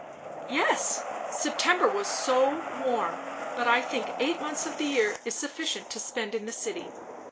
"Yes September was so warm! But I think eight months of the year is sufficient to spend in the city.